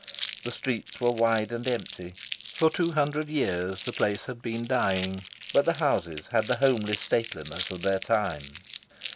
The streets were wide and empty; for two hundred years the place had been dying, but the houses had the homely stateliness of their time.